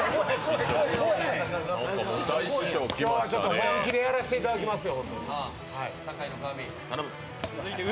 本気でやらせていただきますよ。